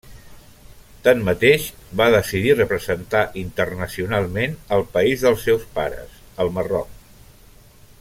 Tanmateix, va decidir representar internacionalment el país dels seus pares, el Marroc.